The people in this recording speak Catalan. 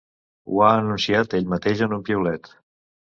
Ho ha anunciat ell mateix en un piulet.